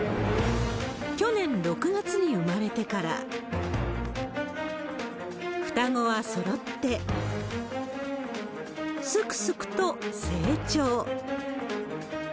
去年６月に生まれてから、双子はそろってすくすくと成長。